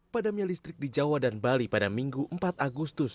padamnya listrik di jawa dan bali pada minggu empat agustus